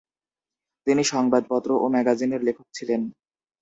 তিনি সংবাদপত্র ও ম্যাগাজিনের লেখক ছিলেন।